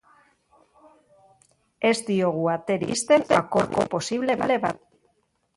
Ez diogu aterik ixten akordio posible bati.